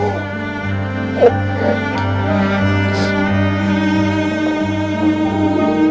aku senang sekali mama